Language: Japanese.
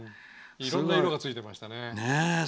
いろんな色がついてましたね。